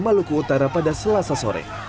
maluku utara pada selasa sore